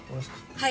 はい。